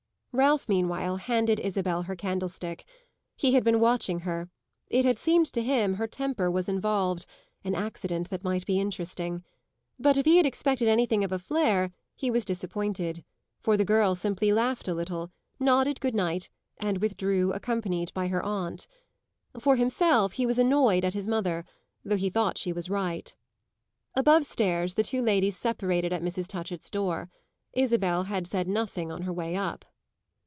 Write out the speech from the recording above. Ralph meanwhile handed Isabel her candlestick. He had been watching her; it had seemed to him her temper was involved an accident that might be interesting. But if he had expected anything of a flare he was disappointed, for the girl simply laughed a little, nodded good night and withdrew accompanied by her aunt. For himself he was annoyed at his mother, though he thought she was right. Above stairs the two ladies separated at Mrs. Touchett's door. Isabel had said nothing on her way up.